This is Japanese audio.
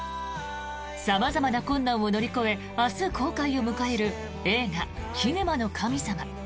様々な困難を乗り越え明日、公開を迎える映画「キネマの神様」。